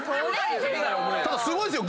ただすごいっすよ。